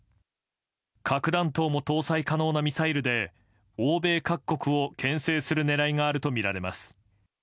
核弾頭も搭載可能なミサイルで欧米各国を牽制する狙いがあるとみられます。